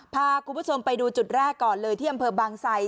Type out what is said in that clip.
พาคุณผู้ชมไปดูจุดแรกก่อนเลยที่อำเภอบางไซ